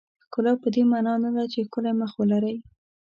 ښکلا پدې معنا نه ده چې ښکلی مخ ولرئ.